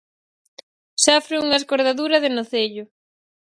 Sofre unha escordadura de nocello.